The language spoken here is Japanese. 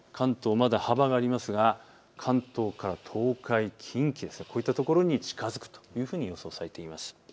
まだ幅がありますが関東から東海、近畿、こういったところに近づくというふうに予想されています。